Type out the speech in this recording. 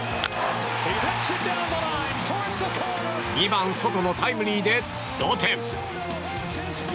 ２番、ソトのタイムリーで同点。